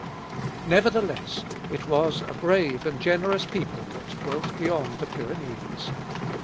Nevertheless, it was a brave and generous people that dwelt beyond the Pyrenees.